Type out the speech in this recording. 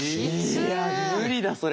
いや無理だそれは。